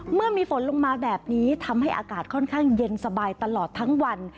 เมื่อมีฝนลงมาแบบนี้ทำให้อากาศค่อนข้างเย็นสบายตลอดทั้งวัน